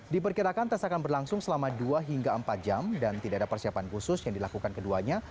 diperkirakan tes akan berlangsung selama dua hingga empat jam dan tidak ada persiapan khusus yang dilakukan keduanya